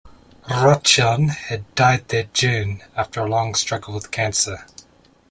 Rochon had died that June after a long struggle with cancer.